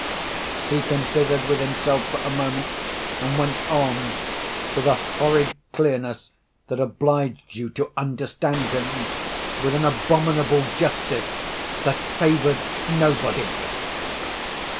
He considered with himself for a moment, and went on—with a horrid clearness that obliged you to understand him; with an abominable justice that favoured nobody.